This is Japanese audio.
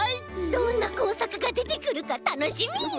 どんなこうさくがでてくるかたのしみ！